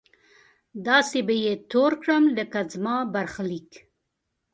داسې به يې تور کړم لکه زما برخليک